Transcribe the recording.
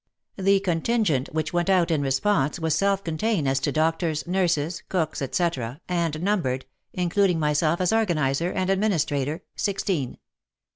The contingent which went out in response was self contained as to doctors, nurses, cooks, etc., and numbered, including myself as organizer and administrator, sixteen.